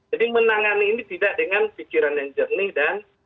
jadi menangani ini tidak dengan pikiran yang jernih dan